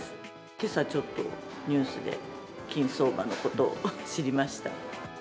けさちょっとニュースで、金相場のことを知りました。